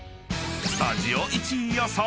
［スタジオ１位予想］